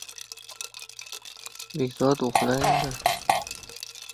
Hovuzga qarab yurdi.